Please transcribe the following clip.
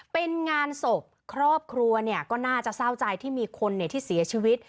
เป็นงานศพครอบครัวเนี่ยก็น่าจะเศร้าใจที่มีคนที่เสียชีวิต